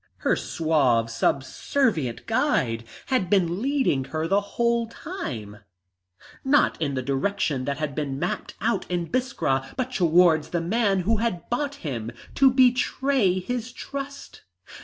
Her suave, subservient guide had been leading her the whole time, not in the direction that had been mapped out in Biskra, but towards the man who had bought him to betray his trust.